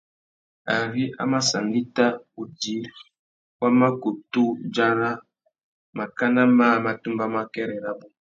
Ari a mà sangüetta udjï, wa mà kutu dzara màkánà mâā má tumbamú akêrê rabú.